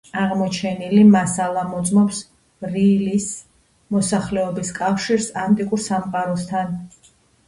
აღმოჩენილი მასალა მოწმობს, ბრილის მოსახლეობის კავშირს ანტიკურ სამყაროსთან.